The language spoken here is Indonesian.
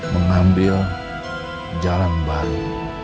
mengambil jalan baru